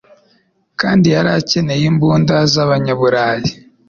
kandi yari akeneye imbunda z'Abanyaburayi